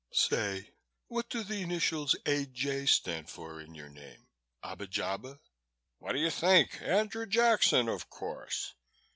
Say, what do the initials A. J. stand for in your name? Abba Jabba?" "What do you think? Andrew Jackson, of course.